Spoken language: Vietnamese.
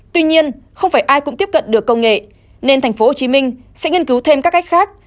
tuy nhiên không phải ai cũng tiếp cận được công nghệ nên thành phố hồ chí minh sẽ nghiên cứu thêm các cách khác